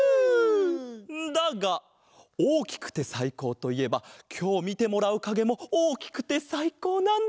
だがおおきくてさいこうといえばきょうみてもらうかげもおおきくてさいこうなんだ！